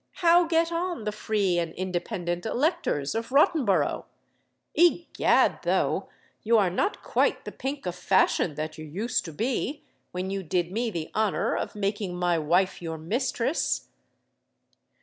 How get on the free and independent electors of Rottenborough? Egad, though—you are not quite the pink of fashion that you used to be—when you did me the honour of making my wife your mistress."